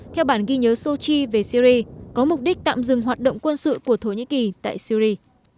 theo bản ghi nhớ sochi về syri có mục đích tạm dừng hoạt động quân sự của thổ nhĩ kỳ tại syri